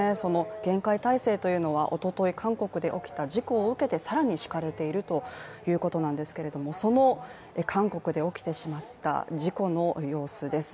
厳戒態勢というのは、おととい韓国で起きた事故を受けて更に敷かれているということですけれどもその韓国で起きてしまった事故の様子です。